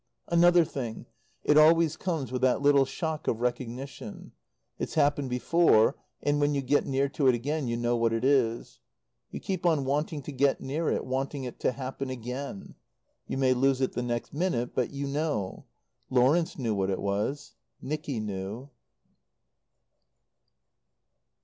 Another thing it always comes with that little shock of recognition. It's happened before, and when you get near to it again you know what it is. You keep on wanting to get near it, wanting it to happen again. You may lose it the next minute, but you know. Lawrence knew what it was. Nicky knew.